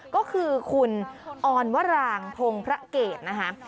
ก็คือคุณออนวรางพงพระเกตนะคะ